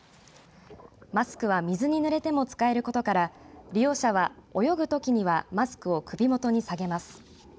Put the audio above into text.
マスクは、水にぬれても使えることから利用者は、泳ぐときにはマスクを首元に下げます。